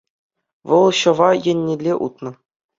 вӑл ҫӑва еннелле утнӑ.